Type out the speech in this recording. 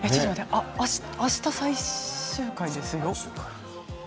あした最終回ですよ。